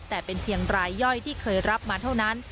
แต่เป็นเพียงรายย่อยที่เคยรับมาเท่านั้น